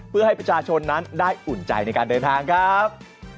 เพื่อให้ประชาชนนั้นได้อุ่นใจในการเดินทางครับ